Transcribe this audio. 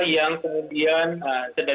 yang kemudian sedang